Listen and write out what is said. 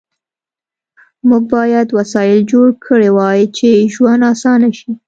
موږ باید وسایل جوړ کړي وای چې ژوند آسانه شي